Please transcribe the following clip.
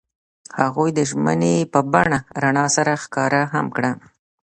هغوی د ژمنې په بڼه رڼا سره ښکاره هم کړه.